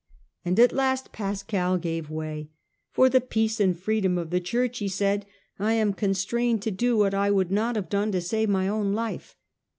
And at last Pascal gave way. * For the peace and freedom of the Church,' he said, ^ I am constrained to do what I would Compact ^^* h&YQ douo to save my own life.'